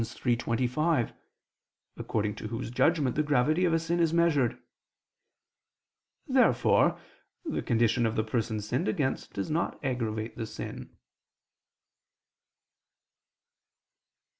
3:25), according to Whose judgment the gravity of a sin is measured. Therefore the condition of the person sinned against does not aggravate the sin.